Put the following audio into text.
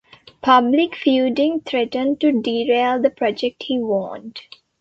Public feuding threatened to derail the project, he warned.